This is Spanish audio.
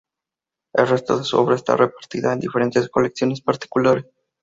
El resto de su obra está repartida en diferentes colecciones particulares.